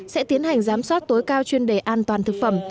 sẽ tiến hành giám sát tối cao chuyên đề an toàn thực phẩm